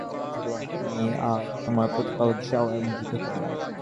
সুতরাং তুমি আর তোমার প্রতিপালক যাও এবং যুদ্ধ কর।